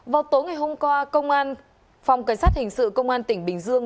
vào tối ngày hôm qua công an phòng cảnh sát hình sự công an tỉnh bình dương